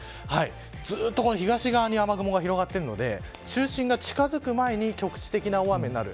ずっとこの東側に雨雲が広がっているので中心が近づく前に局地的な大雨になる。